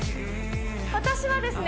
私はですね